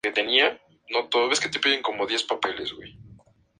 Plantas desarmadas con hojas no agregadas basalmente; no auriculadas.